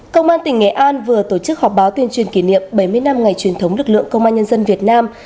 công an tỉnh nghệ an vừa tổ chức họp báo tuyên truyền kỷ niệm bảy mươi năm ngày truyền thống lực lượng công an nhân dân việt nam